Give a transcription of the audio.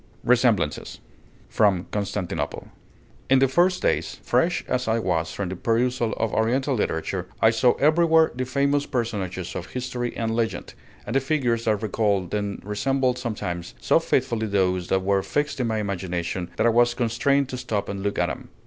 RESEMBLANCES From 'Constantinople' In the first days, fresh as I was from the perusal of Oriental literature, I saw everywhere the famous personages of history and legend, and the figures that recalled them resembled sometimes so faithfully those that were fixed in my imagination, that I was constrained to stop and look at them.